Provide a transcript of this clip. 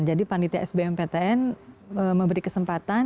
jadi panitia sbm ptn memberi kesempatan